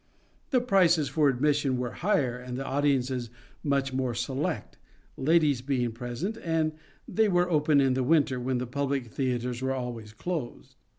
The prices for admission were higher and the audiences much more select, ladies being present, and they were open in the winter, when the public theatres were always closed.